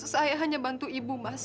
saya hanya bantu ibu mas